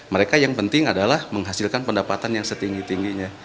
mereka yang penting adalah menghasilkan pendapatan yang setinggi tingginya